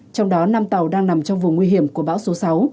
trong đó năm tàu đang nằm trong vùng nguy hiểm của bão số sáu